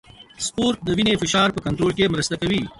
سپورت د وینې فشار په کنټرول کې مرسته کوي.